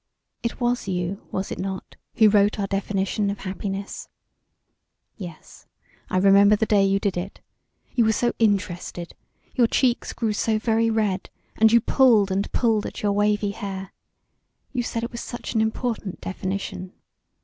"It was you, was it not, who wrote our definition of happiness? Yes, I remember the day you did it. You were so interested; your cheeks grew so very red, and you pulled and pulled at your wavy hair. You said it was such an important definition.